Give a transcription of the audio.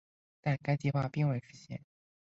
但该计划并未实现。